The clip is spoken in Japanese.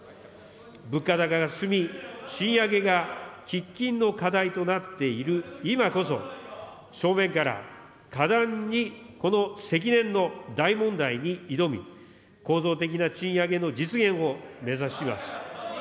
物価高が進み、賃上げが喫緊の課題となっている今こそ、正面から、果断にこの積年の大問題に挑み、構造的な賃上げの実現を目指します。